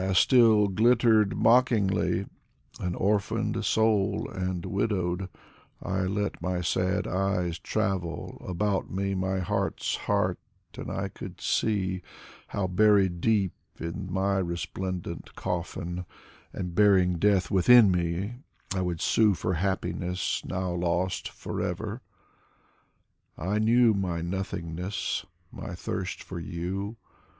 — still glittered mockingly. ... An orphaned soul and widowed, I let my sad eyes travel About me, my heart's heart, and I could see How, buried deep in my resplendent coffin, And bearing death within me, I would sue For happiness now lost forever ; I knew my nothingness, my thirst for you.